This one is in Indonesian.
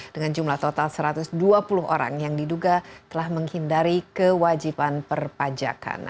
dengan jumlah total satu ratus dua puluh orang yang diduga telah menghindari kewajiban perpajakan